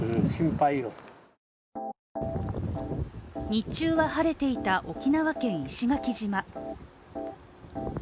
日中は晴れていた沖縄県石垣島。